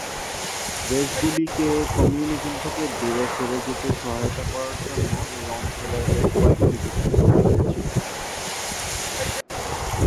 দেশগুলিকে communism থেকে দূরে সরে যেতে সহায়তা করার জন্য এই অঞ্চলের বেশ কয়েকটি ভিত্তি তৈরি হয়েছিল।